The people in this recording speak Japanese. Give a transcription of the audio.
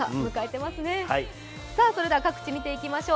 それでは各地見ていきましょう。